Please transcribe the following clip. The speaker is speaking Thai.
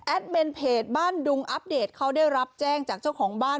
เมนเพจบ้านดุงอัปเดตเขาได้รับแจ้งจากเจ้าของบ้าน